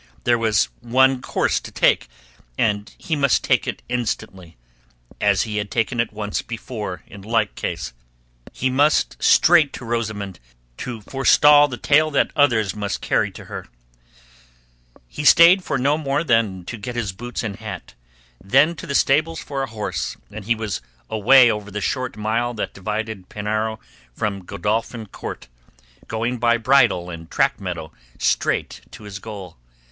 There was one course to take and he must take it instantly—as he had taken it once before in like case. He must straight to Rosamund to forestall the tale that others would carry to her. God send he did not come too late already. He stayed for no more than to get his boots and hat, then to the stables for a horse, and he was away over the short mile that divided Penarrow from Godolphin Court, going by bridle and track meadow straight to his goal.